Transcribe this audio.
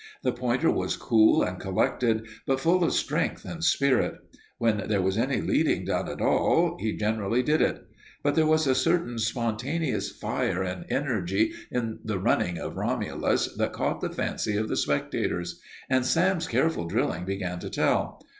The pointer was cool and collected, but full of strength and spirit. When there was any leading done at all, he generally did it. But there was a certain spontaneous fire and energy in the running of Romulus that caught the fancy of the spectators. And Sam's careful drilling began to tell.